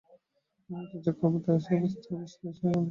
ইতিমধ্যে যে চক্রবর্তী আসিয়া উপস্থিত হইবে এ সে মনেও করে নাই।